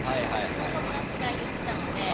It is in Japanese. その友達が言ってたので。